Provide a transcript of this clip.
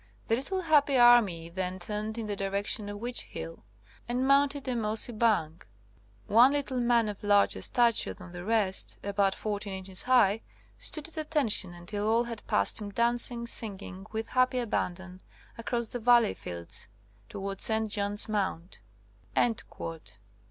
The little happy army then turned in the direction of Witch's Hill, and mounted a mossy bank; one * little man' of larger stature than the rest, about 14 inches high, stood at attention until all had passed him dancing, singing, with happy abandon, across the Valley fields towards St. John's Mount."